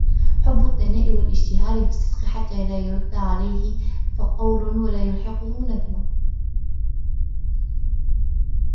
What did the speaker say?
حُبُّ الثَّنَاءِ وَالِاشْتِهَارِ بِالصِّدْقِ حَتَّى لَا يُرَدَّ عَلَيْهِ قَوْلٌ وَلَا يَلْحَقُهُ نَدَمٌ